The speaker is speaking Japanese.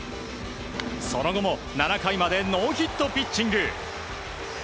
その後も７回までノーヒットピッチング。